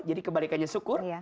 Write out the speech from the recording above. jadi kebalikannya syukur